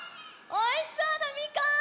おいしそうなみかん！